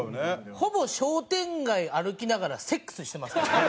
ほぼ商店街歩きながらセックスしてますからね。